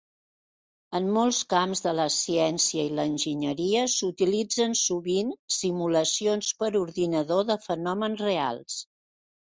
En molts camps de la ciència i l'enginyeria s'utilitzen sovint simulacions per ordinador de fenòmens reals.